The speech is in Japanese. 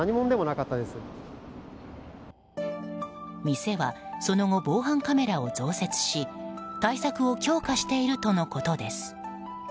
店は、その後防犯カメラを増設し対策を強化しているとのことです。